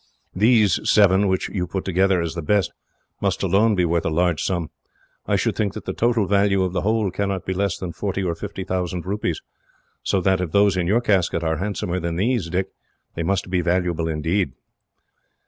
Those seven, which you put together as the best, must alone be worth a large sum. I should think that the total value of the whole cannot be less than forty or fifty thousand rupees, so that, if those in your casket are handsomer than these, Dick, they must be valuable, indeed."